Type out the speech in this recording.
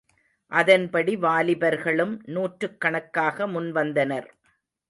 அதன்படி வாலிபர்களும் நூற்றுக்கணக்காக முன்வந்தனர்.